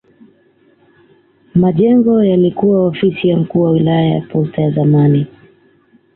Majengo yaliyokuwa ofisi ya mkuu wa wilaya posta ya zamani